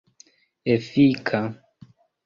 efika